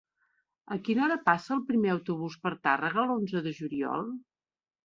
A quina hora passa el primer autobús per Tàrrega l'onze de juliol?